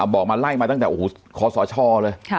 บอกมาไล่มาตั้งแต่คอสชเลย